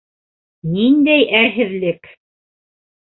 Ниндәй әрһеҙлек!